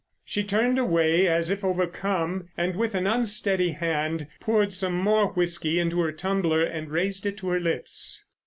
She turned away as if overcome, and with an unsteady hand poured some more whisky into her tumbler and raised it to her lips.